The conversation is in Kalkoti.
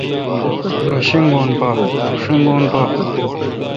رو شینگون پا۔